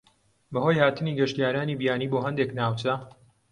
بەهۆی هاتنی گەشتیارانی بیانی بۆ هەندێک ناوچە